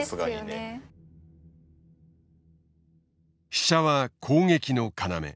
飛車は攻撃の要。